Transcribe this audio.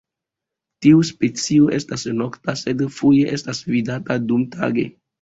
Tiu specio estas nokta, sed foje estas vidata dumtage.